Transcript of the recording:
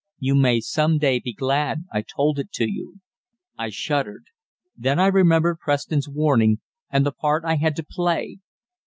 You may some day be glad I told it to you." I shuddered. Then I remembered Preston's warning and the part I had to play.